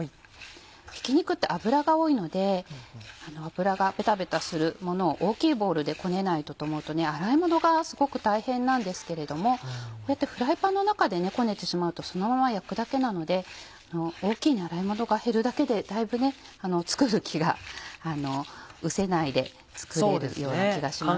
ひき肉って脂が多いので脂がベタベタするものを大きいボウルでこねないとと思うと洗いものがすごく大変なんですけれどもこうやってフライパンの中でこねてしまうとそのまま焼くだけなので大きい洗いものが減るだけでだいぶ作る気がうせないで作れるような気がしますね。